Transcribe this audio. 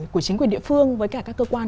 của chính quyền địa phương với cả các cơ quan